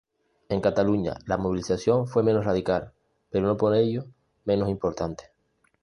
En Cataluña la movilización fue menos radical, pero no por ello menos importante.